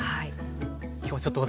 今日はちょっと私